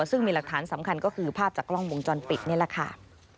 ซึ่งมีหลักฐานสำคัญก็คือภาพจากกล้องวงจรปิดนี่แหละค่ะ